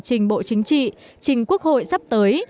trình bộ chính trị trình quốc hội sắp tới